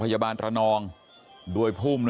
พยาบาลก็พูดไม่ดี